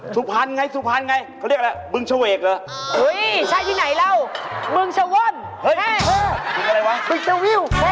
ศุภารไงศุภารไงเขาเรียกอะไรบรึงชาเวกเหรอ